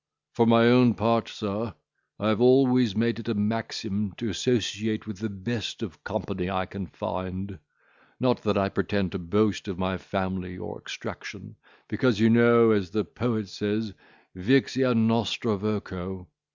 For my own part, sir, I have always made it a maxim to associate with the best of company I can find. Not that I pretend to boast of my family or extraction; because, you know, as the poet says, Vix ea nostra voco.